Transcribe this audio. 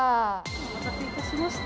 お待たせいたしました。